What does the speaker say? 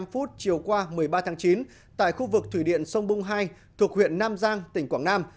sáu h hai mươi năm chiều qua một mươi ba tháng chín tại khu vực thủy điện sông bung hai thuộc huyện nam giang tỉnh quảng nam